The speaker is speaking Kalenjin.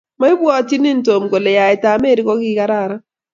maipwotyini tom kole yaet ap Mary kokikararan